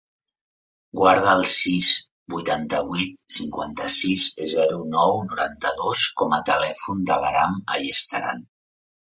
Guarda el sis, vuitanta-vuit, cinquanta-sis, zero, nou, noranta-dos com a telèfon de l'Aram Ayestaran.